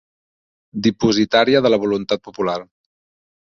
Dipositària de la voluntat popular.